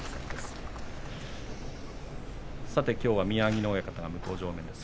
きょうは宮城野親方が向正面です。